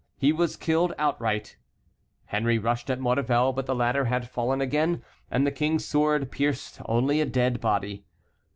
He was killed outright. Henry rushed at Maurevel, but the latter had fallen again, and the king's sword pierced only a dead body.